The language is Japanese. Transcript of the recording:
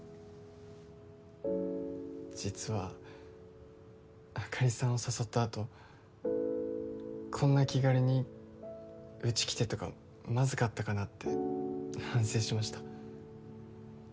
実はあかりさんを誘ったあとこんな気軽にうち来てとかまずかったかなって反省しました